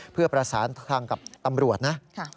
เพื่อประสานทางกับตำรวจนะ